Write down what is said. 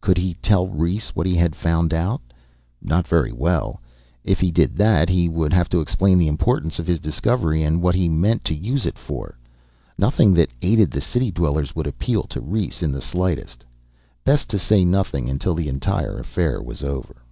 Could he tell Rhes what he had found out? Not very well. If he did that, he would have to explain the importance of his discovery and what he meant to use it for. Nothing that aided the city dwellers would appeal to Rhes in the slightest. Best to say nothing until the entire affair was over.